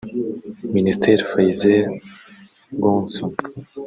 Minister Fayez Ghosn